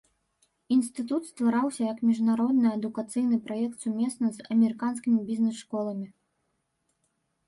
Інстытут ствараўся як міжнародны адукацыйны праект сумесна з амерыканскімі бізнес-школамі.